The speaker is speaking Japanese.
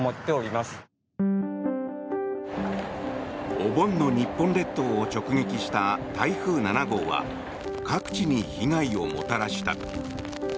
お盆の日本列島を直撃した台風７号は各地に被害をもたらした。